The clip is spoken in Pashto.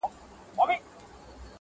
دا بلي ډېوې مړې که زما خوبونه تښتوي.!